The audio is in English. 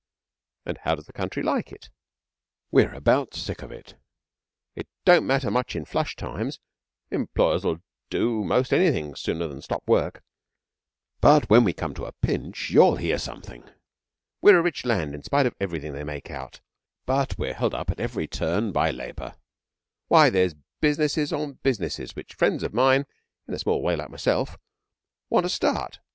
'And how does the country like it?' 'We're about sick of it. It don't matter much in flush times employers'll do most anything sooner than stop work but when we come to a pinch, you'll hear something. We're a rich land in spite of everything they make out but we're held up at every turn by Labour. Why, there's businesses on businesses which friends of mine in a small way like myself want to start.